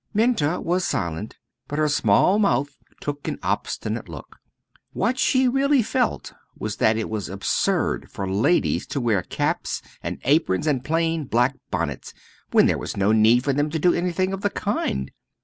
Minta was silent, but her small mouth took an obstinate look. What she really felt was that it was absurd for ladies to wear caps and aprons and plain black bonnets, when there was no need for them to do anything of the kind.